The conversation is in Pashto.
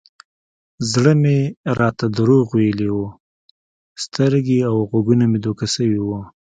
زړه مې راته دروغ ويلي و سترګې او غوږونه مې دوکه سوي وو.